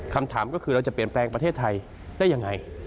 คำถามก็คือเราจะเปลี่ยนแปลงประเทศไทยได้ยังไง